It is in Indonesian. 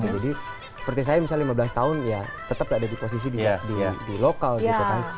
jadi seperti saya misalnya lima belas tahun ya tetap ada di posisi di lokal gitu kan